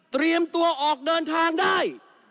เตรียมตัวออกเดินทางได้